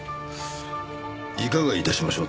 いかが致しましょう？